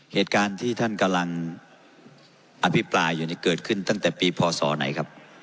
เหตุการณ์ที่ท่านกำลังอภิปรายอยู่นี่เกิดขึ้นตั้งแต่ปีพศไหนครับ